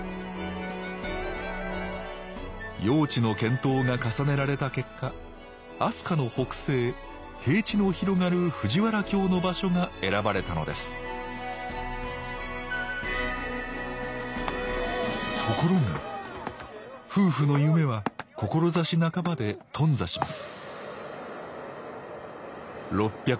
用地の検討が重ねられた結果飛鳥の北西平地の広がる藤原京の場所が選ばれたのですところが夫婦の夢は志半ばで頓挫します